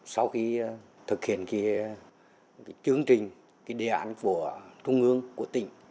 sau khi thực hiện chương trình đề án của trung ương của tỉnh